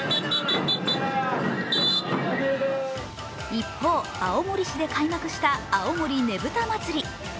一方、青森市で開幕した青森ねぶた祭。